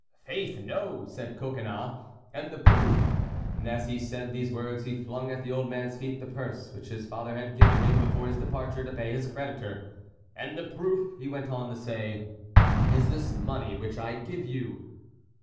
"Faith! no," said Coconnas, "and the proof,"—and as he said these words he flung at the old man's feet the purse which his father had given him before his departure to pay his creditor,—"and the proof," he went on to say, "is this money which I give you!"